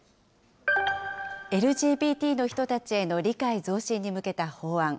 ＬＧＢＴの人たちへの理解増進に向けた法案。